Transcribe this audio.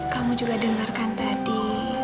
kamu juga dengarkan tadi